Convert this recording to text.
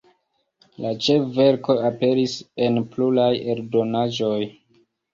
Lia ĉefverko aperis en pluraj eldonaĵoj.